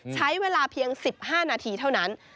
ใช้เวลาเพียง๑๕นาทีเท่านั้น